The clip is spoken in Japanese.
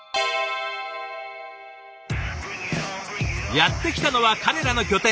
やって来たのは彼らの拠点